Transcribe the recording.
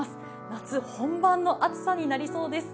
夏本番の暑さになりそうです。